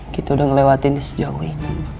kita udah ngelewatin sejauh ini